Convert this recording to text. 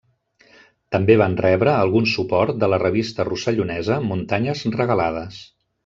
També van rebre algun suport de la revista rossellonesa Muntanyes Regalades.